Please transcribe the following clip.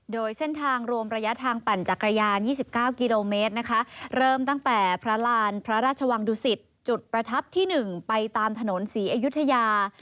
โดยเส้นทางรวมระยะทางปั่นจักรยาน๒๙กิโลเมตรนะคะเริ่มตั้งแต่พระรานพระราชวังดุสิตจุดประทับที่๑ไปตามถนนศรีอยุธยา